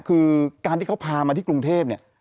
คือการที่เขาพามาที่กรุงเทพเนี่ย